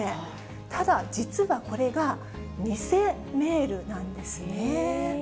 ただ、実はこれが、偽メールなんですね。